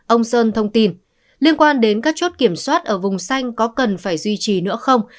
ông sơn thông tin liên quan đến các chốt kiểm soát ở vùng xanh có cần phải duy trì nữa không